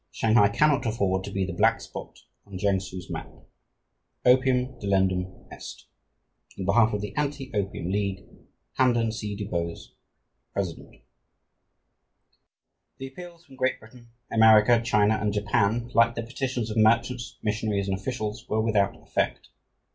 Shanghai cannot afford to be the black spot on Kiangsu's map. Opium delendum est. "In behalf of the Anti Opium League, "HAMPDEN C. DUBOSE, President." The appeals from Great Britain, America, China, and Japan, like the petitions of merchants, missionaries, and officials, were without effect.